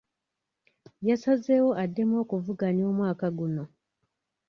Yasazeewo addemu okuvuganya omwaka gunno.